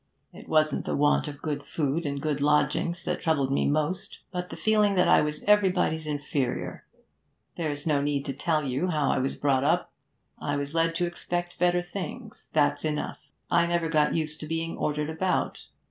It wasn't the want of good food and good lodgings that troubled me most, but the feeling that I was everybody's inferior. There's no need to tell you how I was brought up; I was led to expect better things, that's enough. I never got used to being ordered about.